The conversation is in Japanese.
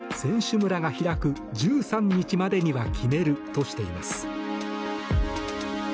厚生労働省は選手村が開く１３日までには決めるとしています。